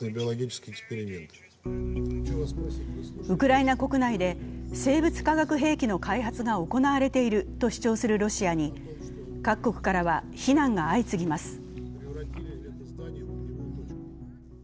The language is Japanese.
ウクライナ国内で生物化学兵器の開発が行われていると主張するロシアに各国からは非難が相次ぎます。